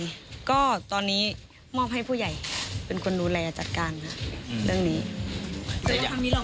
อยู่ข้างในก็ตอนนี้มอบให้ผู้ใหญ่เป็นคนดูแลจัดการฮะเรื่องนี้แล้วทำนี้เรา